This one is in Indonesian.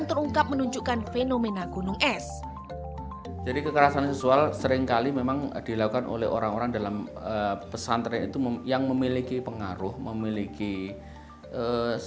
sangat banyak kenyataan dari acquiring out sawung onto a file